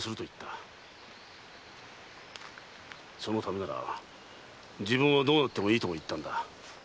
そのためなら自分はどうなってもいいとも言ったんだ。